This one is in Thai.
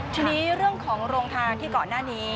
ทีนี้เรื่องของโรงทานที่ก่อนหน้านี้